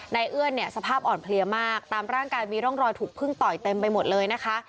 เอื้อนเนี่ยสภาพอ่อนเพลียมากตามร่างกายมีร่องรอยถูกพึ่งต่อยเต็มไปหมดเลยนะคะ